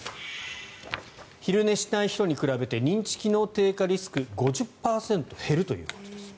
昼寝しない人に比べて認知機能低下リスク５０％減るということです。